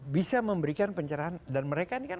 bisa memberikan pencerahan dan mereka ini kan